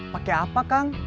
pake apa kang